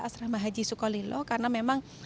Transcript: asrama haji sukolilo karena memang